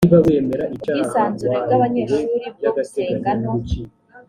ubwisanzure bw abanyeshuri bwo gusenga no